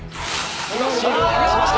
今、シールを剥がしました。